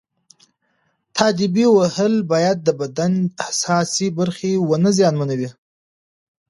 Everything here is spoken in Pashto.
تاديبي وهل باید د بدن حساسې برخې ونه زیانمنوي.